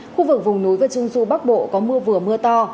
khu vực vùng núi và trung du bắc bộ có mưa vừa mưa to